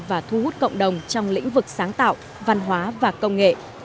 và thu hút cộng đồng trong lĩnh vực sáng tạo văn hóa và công nghệ